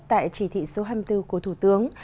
tại chỉ thị số hai mươi bốn của thủ tướng